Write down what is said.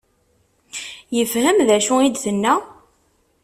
Yefhem d acu i d-tenna?